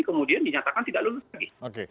kemudian dinyatakan tidak lulus lagi